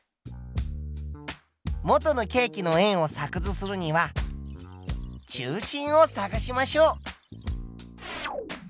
元のケーキの円を作図するには中心を探しましょう。